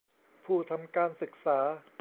ผู้ทำการศึกษา